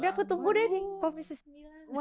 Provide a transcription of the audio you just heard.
udah aku tunggu deh ding